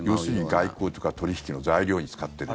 外交とか取引の材料に使っている。